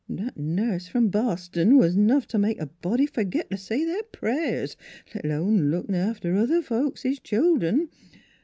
That nurse from Boston was 'nough t' make a body fergit t' say their pray'rs let alone lookin' after other folk's children.